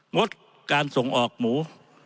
งดการส่งออกหมู